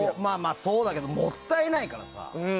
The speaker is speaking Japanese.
そうだけどもったいないからさ。